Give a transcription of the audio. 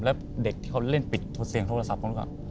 แล้วเด็กที่เขาเล่นปิดเสียงโทรศัพท์ผมก็